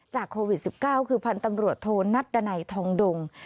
โควิด๑๙คือพันธ์ตำรวจโทนัดดันัยทองดง